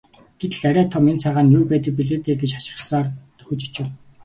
Гэтэл арай том энэ цагаан нь юу байдаг билээ дээ гэж хачирхсаар дөхөж очив.